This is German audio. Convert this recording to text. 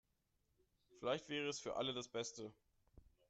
Vielleicht wäre es für alle das Beste.